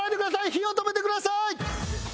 火を止めてください！